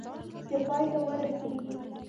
چې پای ته ورسېږي .